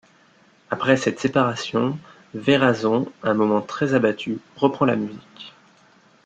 Après cette séparation, Werrason, un moment très abattu, reprend la musique.